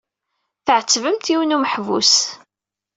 Tɛettbemt yiwen n umeḥbus.